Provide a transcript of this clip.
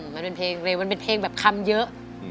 มันเป็นเพลงแบบคำเยอะ